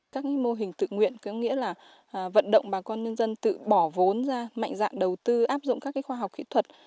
các mô hình tự nguyện có nghĩa là vận động bà con nhân dân tự bỏ vốn ra mạnh dạng đầu tư áp dụng các khoa học kỹ thuật